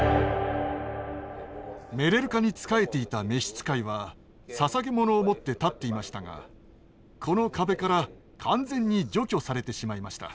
メレルカに仕えていた召し使いは捧げ物を持って立っていましたがこの壁から完全に除去されてしまいました。